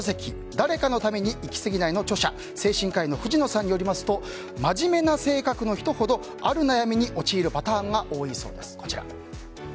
「“誰かのため”に生きすぎない」の著者精神科医の藤野さんによりますと真面目な性格の人ほどある悩みに陥るパターンが多いそうです。